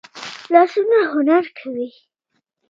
لاسونه هنر کوي